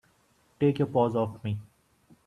Take your paws off me!